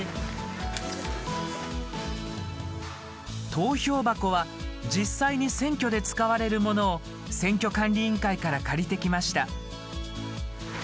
投票箱は実際に選挙で使われるものを選挙管理委員会から借りてきました。